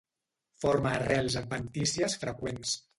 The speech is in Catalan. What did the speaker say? Forma arrels adventícies freqüents.